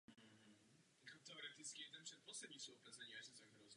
Po válce navrhoval menší protestantské kostely v oblasti Porýní.